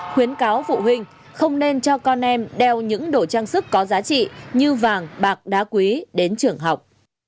khuyến cáo phụ huynh không nên cho con em đeo những đồ trang sức có giá trị như vàng bạc đá quý đến trường học